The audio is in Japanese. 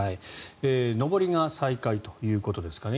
上りが再開ということですかね。